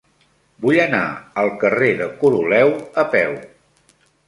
Vull anar al carrer de Coroleu a peu.